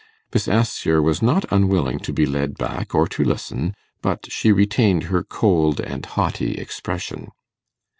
Miss Assher was not unwilling to be led back or to listen, but she retained her cold and haughty expression.